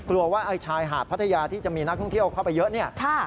กลัวว่าชายหาดพัทยาที่จะมีนักท่องเที่ยวเข้าไปเยอะ